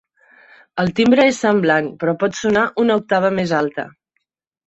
El timbre és semblant, però pot sonar una octava més alta.